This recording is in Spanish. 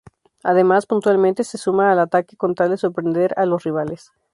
Además, puntualmente, se suma al ataque con tal de sorprender a los rivales.